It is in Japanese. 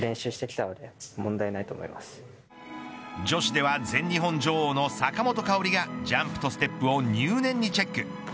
女子では、全日本女王の坂本花織がジャンプとステップを入念にチェック。